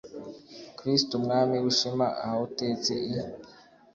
kristu mwami w'ishema, aho utetse i